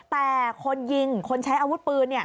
แต่คนยิงคนใช้อาวุธปืน